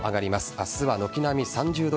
明日は軒並み３０度。